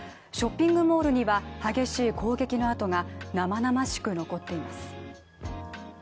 ショッピングモールには激しい攻撃の跡が生々しく残っています。